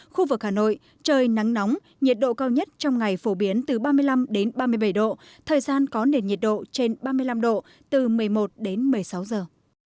khu vực hà nội trời nắng nóng nhiệt độ cao nhất trong ngày phổ biến từ ba mươi năm ba mươi bảy độ c thời gian có nền nhiệt độ trên ba mươi năm ba mươi bảy độ c thời gian có nền nhiệt độ trên ba mươi năm ba mươi bảy độ c